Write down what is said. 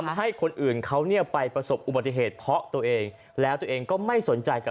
ให้คนอื่นเขาเนี่ยไปประสบอุบัติเหตุเพราะตัวเองแล้วตัวเองก็ไม่สนใจกับ